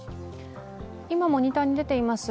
今モニターに出ています